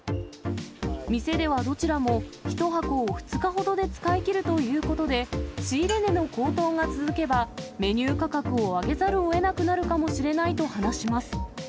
店ではどちらも、１箱を２日ほどで使い切るということで、仕入れ値の高騰が続けば、メニュー価格を上げざるをえなくなるかもしれないと話します。